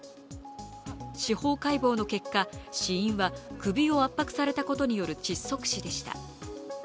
司法解剖の結果、死因は首を圧迫されたことによる窒息死でした。